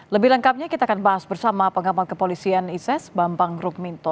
lebih lengkapnya kita akan bahas bersama pengamat kepolisian is bambang rukminto